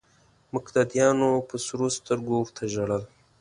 مقتدیانو په سرو سترګو ورته ژړل.